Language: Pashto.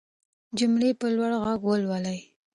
جملې په لوړ غږ ولولئ.